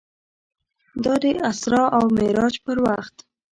دا د اسرا او معراج پر وخت و.